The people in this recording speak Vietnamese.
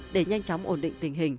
để nhanh chóng ổn định tình hình